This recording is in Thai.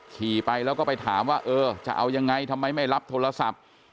ขี่ไปแล้วก็ไปถามว่าเออจะเอายังไงทำไมไม่รับโทรศัพท์